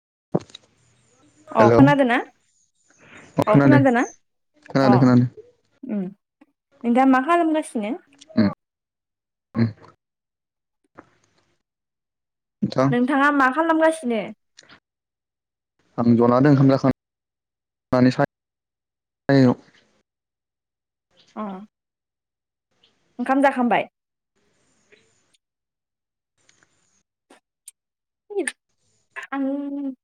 [unintelligible] अ hello खोनादोना? अ खोनादों ना अ खोनादों खोनादों ओम नोंथां मा खालामगासिनो? उम उम नोंथां नोंथाङा मा खालामगासिनो? आं जना दं ओंखाम जाखांनानै सायायाव। अ ओंखाम जाखांबाय? [unintelligible] आं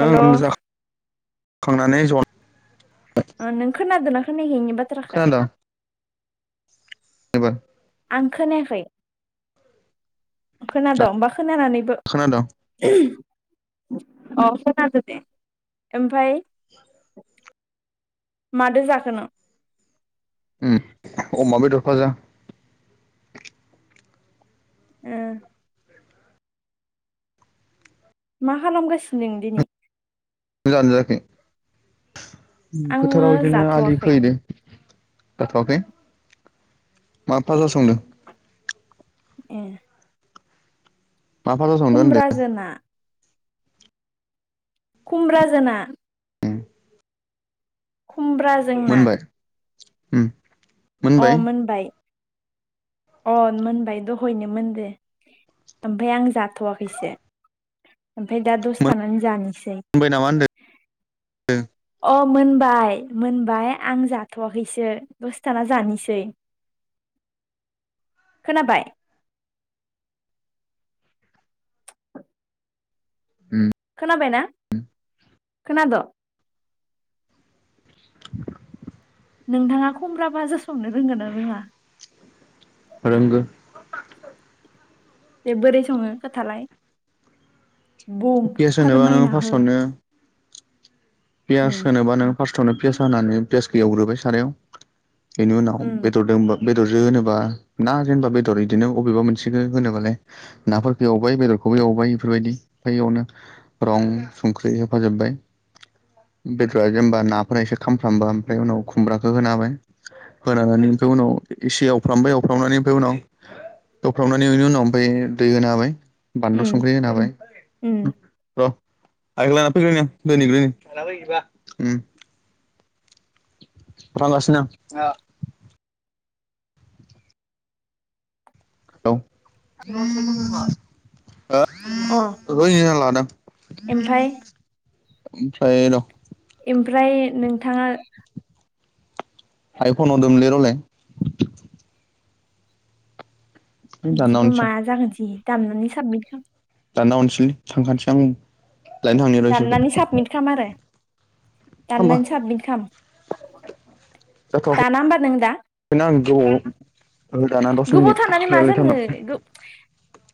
हेल' [inaudible] जाखांनानै ज नों खोनादोंना खोनायाखै आंनि बाथ्राखौ? खोनादों [unintelligible] आं खोनायाखै खोनादोंं बा खोनानानैबो खोनादों अ खोनादों दे ओमफाय [unintelligible] मादो जाखोनो उम अमा बेदर भाजा ओ मा खालामगासिनो नों दिनि नों जादोना जायाखै आङो फोथाराव इदिनो आलि जाथ'वाखै खोहैदो जाथ'वाखै मा भाजा संदो ए मा फाजा संदों होनदों खुमब्रा जो ना खुमब्रा जो ना उम खुमब्रा जों ना मोनबाय उम अ मोनबाय अ मोनबाय दहयनो मोनदो ओमफाय आं जाथ'वाखैसो ओमफाय दा दसे थानानै जानिसै मोनबाय नामा होनदों अ मोनबाय मोनबाय आं जाथ'वाखैसो दसे थाना जानिसै [inaudible] खोनाबाय उम खोनाबायना खोनाद' नोंथाङा खुमब्रा भाजा संनो रोंगोना रोङा रोंगो बेे बोरै सङो खोथालाय बुं पियास होनोबा नोङो फोरमायना हो फार्स्टआवनो पियास उम होनोबा नों फार्स्टआवनो पियास होनानै पियासखो एवग्रोबाय सारायाव इनि उनाव उम बेदर दोंबा‌ बेदरजो होनोबा ना जेनबा बेदर इदिनो अबेबा मोनसेखो होनोबालाय नाफोरखो एवबाय बेदर खौबो एवबाय इफोरबायदि ओमफाय इयावनो रं संख्रि होफाजोब्बाय बेदरा जेनबा नाफोरा एसे खामफ्रबा ओमफ्राय उनाव खुमब्राखो होना होबाय होनानै ओमफाय उनाव एसे एवफ्रामबाय एवफ्रामनानै ओमफाय उनाव एवफ्रामनानै इनि उनाव ओमफाय दै होना होबाय बानलु उम संख्रि होना होबाय उम र' आयंलाना फैग्रोनि आं दोनहैग्रोनि [unintelligible] उम प्रांगासिनो आं औ [unintelligible] लादों एमफाय ओमफ्राय र' ओमफ्राय नोंथाङा आइ फन हरदोमोनलै र'लाय दानना इदिबा मा हरनोसै आं जागोनसै दामनानै साबमिट खाम दानना हरनिसैलै थांखानिसै आं लायनो थांनि र' इसोरखौ दाननानै साबमिट खाम आरो दाननानै साबमिट खाम जाथ'आखै दाना होमबा नों दा [unintelligible] आं‌ गोबाव औ दाना दस गोबाव मिनिट रायलायथानां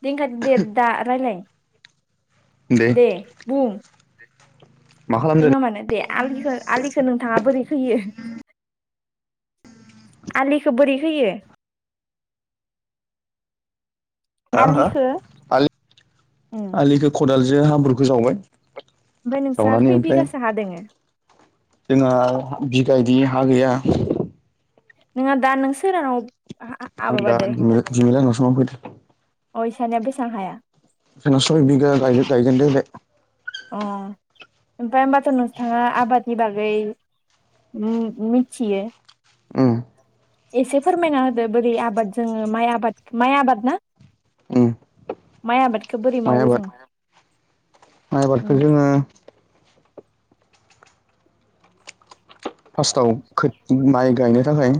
दिनखादो दे दा रायलाय दे बुं मा बुङा मानो दे आलिखो-आलिखो नोंथाङा बोरै खोयो [unintelligible] आलिखो बोरै खोयो हा-हा आलिखौ उम आलि-आलिखो खदालजो हाब्रुखो जावबाय ओमफ्राय नोंस्रा जावनानै खै ओमफाय बिगासो हा दोङो जोंहा बि बेबायदि हा गैया नोंहा दा नों सोरहानाव आ आं दा माबादो [unintelligible] अयसानिया बेसां हाया? जोंहा सय बिघा गायो गायजेनदों दाय अ ओमफाय होमबाथ' नोंथाङा आबादनि बागै उम उम मिथियो उम एसे फोरमायना होदो बोरै आबाद जोंङो माइ आबाद माइ आबाद ना उम माइ आबादखो बोरै माइ मावो आबाद जों माइ उम आबादखौ जोङो फार्स्टआव खोथ माइ गायनो थाखाय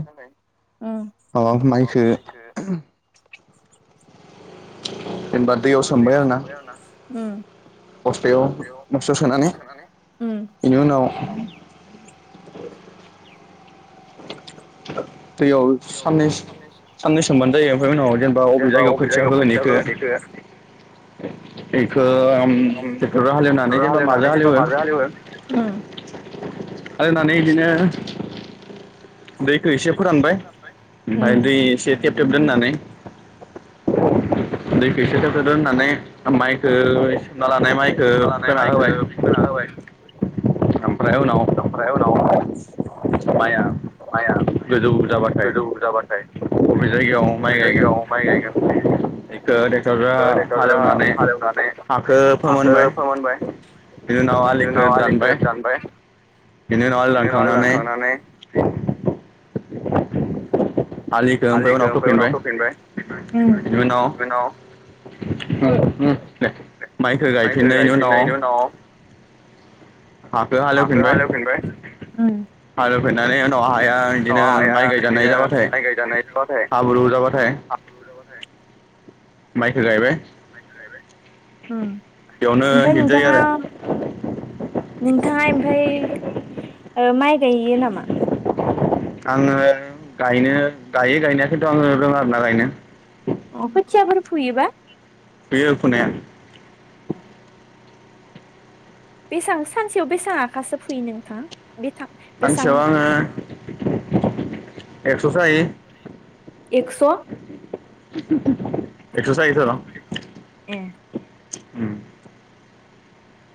उम अ माइखो [unintelligible] जेनेबा दैयाव सोमबाय आरोना बस्थायाव बस्थायाव सोनानै उम इनि उनाव दैयाव सानैस साननै सोमबानो जायो ओमफाय उनाव जेनेबा बबे जायगायाव खोथिया फोगोन इखो [inaudible] इखो ओ ओम टेक्टरजों हालेवनानै ट्रेक्टर जेनबा माजों हालेवनानै जेनेबा हालेवो आरो उम होननानै बिदिनो दैखौ एसे फोरानबाय ओमफाय उम दै एसे थेब थेब दोननानै दैखो इसे थेब थेब दोननानै माइखो सोमना लानाय ना माइखौ लानाय फोना माइखौ होबाय फोना होबाय ओमफ्राय उनाव ओमफ्राय उनाव माइआ माइआ गोजौ जाबाथाय गोजौ जाबाथाय बबे जायगायाव बबे माइ जायगायाव माइ गायगोन बेखौ ड्रेक्ट'रजों ट्रेक्टरा हालेवनानै हालेवनानै हाखो फोमोनबाय बिदि नाव बिनि आलिक उनाव आलिखौ जानबायाय दानबाय बिनि उनाव आलि दानखांनानै [unintelligible] आलिखौ ओमफ्राय उनाव खोफिनबाय उम बिनि उनाव बिनि दे माइखो माइखौ गायफिननायनिनायनि उनाव गायफिननायनि हालखोन हालौ हाखौ फिनबाय हालेवफिनबाय उम हा उनाव हाया गायजानाय बिदिनो जाबाथाय माय गायजानाय जाबाथाय हाब्रु जाबाथाय हाब्रु जाबाथाय माइखौ गायबाय उ बेयावनो ओमफफ्राय हिट जायो नोंथाङा आरो नोंथाङा ओमफाय माइ गयो नामा? आंङो गायनो गायो गायनाया खिन्थु आंङो रोङा आरोना गायनो। खोथियाफोर फुयोबा फुयो फुनाया [inaudible] बेसां सानसेयाव बेसां आखासो फुयो नोंथां? बेथां बेसां सानसेयाव आंङो एक्स'सो हायो। एकस' एक्सटा हायोथर उम ए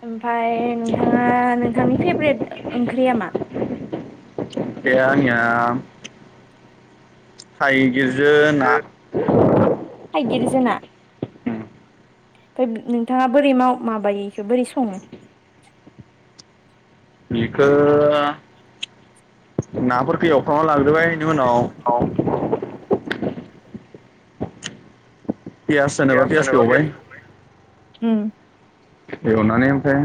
ओमफफ्राय नोंथाङा नोंथांनि फेभ्रेट ओंख्रिया मा? ओंख्रिया आंनिया थाइगिरजो ना थाइगिर जोना ओमफ्राय नोंथाङा बोरै माबायोखौो बोरै सङो? बेखौ नाफोरखौ एवफ्रामना लाग्रोबाय बेनि उनाव [inaudible] पियास होनोबा बस पियासखौ बा एवबाय ए अना नेमफ्राय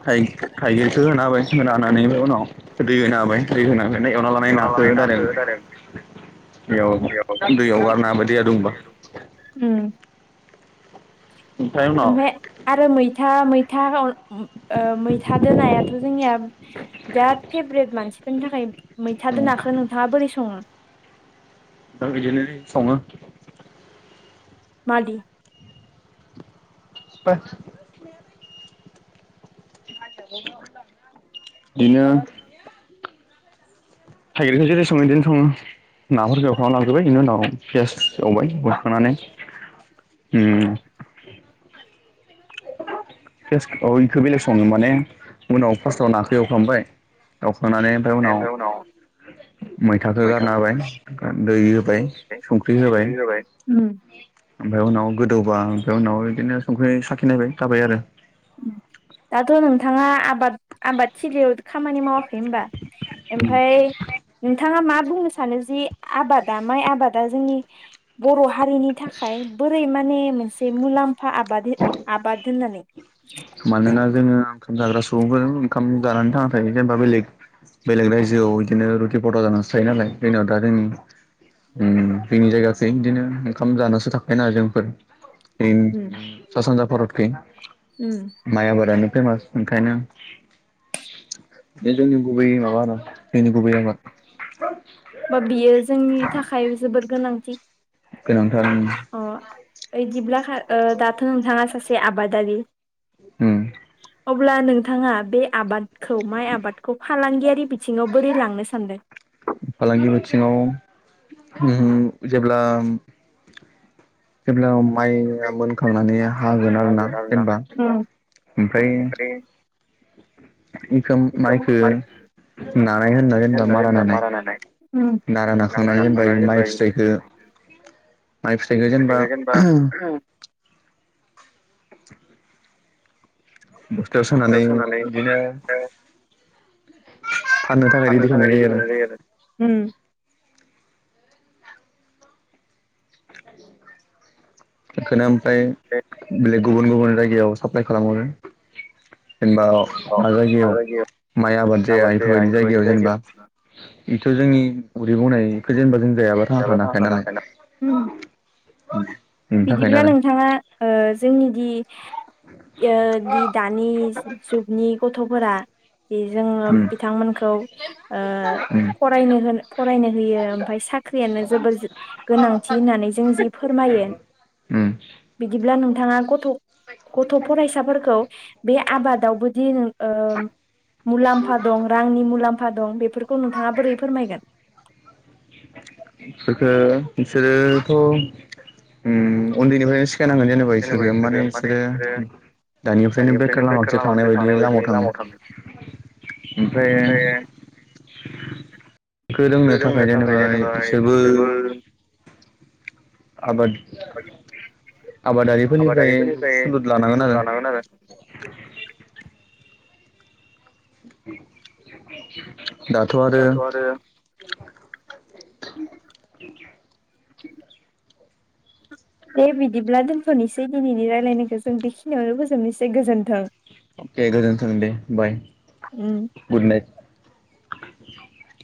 थाइगेरखौो होना हाबाय। होनानैओ उनाव दै होनो हाबाय दै होनानै एवना लानाय नखौो द याव औगार नाबदि दब ओमफफ्राय आरो मैथा मैथा मैथा दोन नाया दाथ' जोंनिया बिराद फेभरेट मानसिफोरनि थाखाय मैथा दोन नााखो नोंथाङा बोरै सङो? दा बिदिनो सावङ मलि ब [unintelligible] बिनो थाइगिरखौ जेरै सङ बिदिनो संो, नाफोर जौखांना लांजोबबाय बेनि उनाव पिस एवबाय बरखांनानै [inaudible] फ बेखौ बेलेग सङो माने उनाव फार्स्टआव नाखौ एवखांबाय होनुानै ओमफ्राय उनाव मैथखौ गारना मैथाखौ होबाय दै होबाय संख्रि होबाय ओंख्रि उम ओमफफ्राय उनाव गोदौबा ओमफ्राय उनाव बिदिनो संख्रि साखिनायबाय थाबाय आरो। दाथ' नोंथाङा आबाद आबाद थलियाव खामानि मावाखै होनोमबा? ओमफ्राय नोंथाङा मा बुंनो सानो जि आबादा माइ आबादा जोंनि बर' हारिनि थाखाय बोरै माने मोनसे मुलाम्फा आबाद आबाद होननानै। मानोना जोङो ओंखाम जाग्रा सुबुंफोरजों ओंखाम जानानै थांा थायो जेनेबा बेलेग बेलेग रायजोआव बिदिनो रुथि फथा जानांोन। सिफायो नालाय जोंनियाव दा जोंनि। ओम जोंनि जायगाखै इदिनो ओंखाम जानासो थाखायो ना जोंफोर। होम। भरतखै माइ आबारानो फेमास ओंखायनो। बे जोंनि गुबै माबा ना जोंनि गुबै आबाद। बा बेयो जोंनि थाखाय जोबोद गोनांथि। गोनांथार [unintelligible] इयदिब्ला खा ओ दाथ' नोंथाङा सासे आबादारि। ओम। अब्ला नोंथाङा बे। आबादखौ माइ आबादखौ फालांगियारि बिथिङाव बोरै लांनो सानदो। फालांगि बिथिङाव। उम जेब्ला जेब्ला [unintelligible] माइया मोनखांनानै हागोन आरोना जेनबा ओमफ्राय। ओमफ्राय इखोम इखौ माइखो। मारै नानाय होनना जेनबा मारा नानाय नारा मारा नाखांनानै जेनबा जेनेबा माइ फिथाइखो। माइ फिथाइखो जेनबा फिथाइखौ जेनेबा [unintelligible] दैयाव बस्थायाव सोनानै सोमनानै इदिनो। फाननो थाखाय रेदि [unintelligible] आरो। इखोनो ओमफाय ब्लेग गुबुन गुबुन जायगायाव साप्लाय खालामहरो। जेनबा अ मा उम अ जायो। जायगायाव आबाद जाया बेफोरबायदि जायगायाव इथ' जोंनि उदै बुंनायखौ जेनबा जों। जायाबा थांना थानो हाखाया नालाय। बेनि थाखायनो बिदिब्ला आरो नोंथाङा ओह जोंनि दि। यो दि दानि जुगनि गथ'फोरा। बे जोङो उम बिथांमोनखौ ओह उम फरायनो होनो फरायनो। होयो ओमफ्राय साक ख्रियानो जोबोर जो गोनांथि होननानै जों जि फोरमायो। उम दिब्ला नोंथाङा गथ' गथ' फरायसाफोरखौ। बे आबादावबोदि नों ओह। मुलाम्फा दं रांनि मुलाम्फा दं बेफोरखौ नोंथाङा बोरै फोरमायगोन? [inaudible] इखो इसोरोथ' ओम उन्दैनिफ्रायनो सो [unintelligible] नांगोन जेनेबा इसोरो माने इसोरो। दानिफ्रायनो बेखार लामाखोसो थांनाय बायदि लामायाव थाङो। ओमफ्राय। बेखौ रोंनो फोरोंनो थाखाय जेनेबा जेनेबाय इसोरबो जोबोर। आबाद आबादारिफोरनिफ्राय सुलुद लानांगोन आरो। दाथ' आरो। [inaudible] दे बिदिब्ला दोनथ'निसै दिनैनि रायज्लायनायखौ जों बेखिनियावनो फोजोबनोसै गोजोन्थों। दे गोजोनथों दे बाय उम गुद नाइत।